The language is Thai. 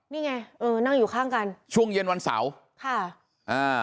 นี่ไงเออนั่งอยู่ข้างกันช่วงเย็นวันเสาร์ค่ะอ่า